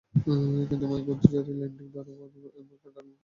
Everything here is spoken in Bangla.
কিন্তু Mike Otojareri, landing দারবোয়ে, Emeka Darlington অনেক সুযোগ নষ্ট করেছেন।